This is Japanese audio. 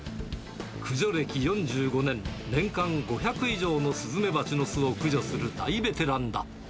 駆除歴４５年、年間５００以上のスズメバチの巣を駆除する大ベテランだ。